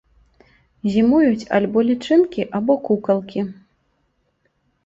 Зімуюць альбо лічынкі або кукалкі.